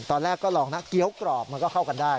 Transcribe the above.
ตอนแรกก็ลองนะเกี้ยวกรอบมันก็เข้ากันได้